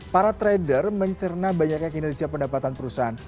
para trader mencerna banyaknya kinerja pendapatan perusahaan